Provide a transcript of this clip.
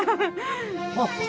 あっ！